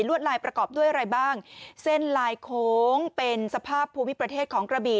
ลายประกอบด้วยอะไรบ้างเส้นลายโค้งเป็นสภาพภูมิประเทศของกระบี่